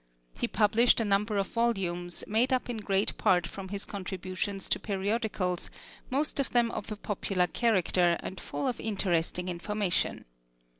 He published a number of volumes, made up in great part from his contributions to periodicals, most of them of a popular character and full of interesting information.